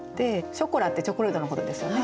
「ショコラ」ってチョコレートのことですよね。